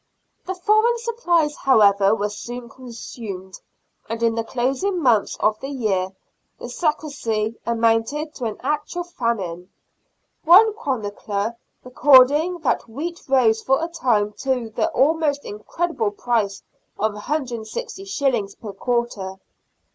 The foreign supplies, however, were soon consumed, and in the closing months of the year the scarcity am ounted to an actual farnine, one chronicler recording that wheat rose for a time to the almost in credible price of i6os. per quarter.